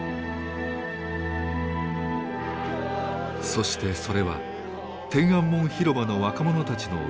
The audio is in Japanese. そしてそれは天安門広場の若者たちの運命